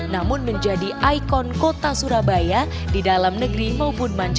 namun menjadi ikon kota surabaya di dalam negeri maupun mandiri